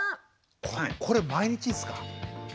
これ毎日っすか？